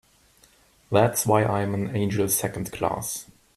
That's why I'm an angel Second Class.